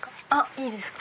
いいですか。